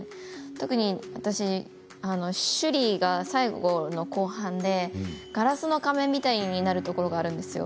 特に私、趣里が最後の後半で「ガラスの仮面」みたいになるところがあるんですよ。